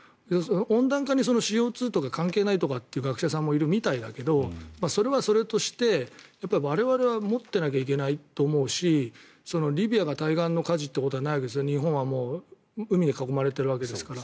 温暖化にＣＯ２とか関係ないとかいう学者さんもいるみたいだけどそれはそれとして我々は持ってないといけないと思うしリビアが対岸の火事ということもないし日本はもう海に囲まれているわけですから。